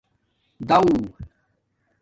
داݸ